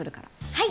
はい！